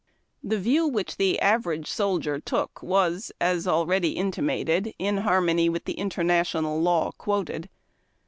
The view which the average soldier took was, as already intimated, in har mony with the international law quoted.